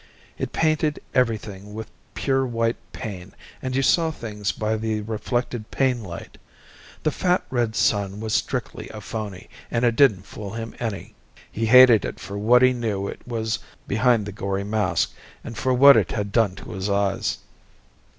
It painted everything with pure white pain, and you saw things by the reflected pain light. The fat red sun was strictly a phoney, and it didn't fool him any. He hated it for what he knew it was behind the gory mask, and for what it had done to his eyes.